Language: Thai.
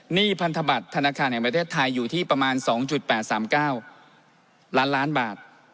พันธบัตรธนาคารแห่งประเทศไทยอยู่ที่ประมาณ๒๘๓๙ล้านล้านบาท